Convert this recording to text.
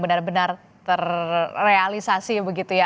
benar benar terrealisasi begitu ya